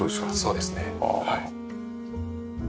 そうですねはい。